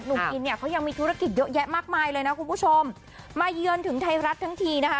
อินเนี่ยเขายังมีธุรกิจเยอะแยะมากมายเลยนะคุณผู้ชมมาเยือนถึงไทยรัฐทั้งทีนะคะ